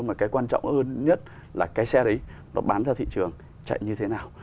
mà cái quan trọng hơn nhất là cái xe đấy nó bán ra thị trường chạy như thế nào